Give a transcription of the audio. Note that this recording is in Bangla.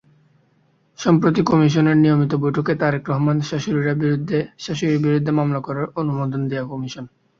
সম্প্রতি কমিশনের নিয়মিত বৈঠকে তারেক রহমানের শাশুড়ির বিরুদ্ধে মামলা করার অনুমোদন দেয় কমিশন।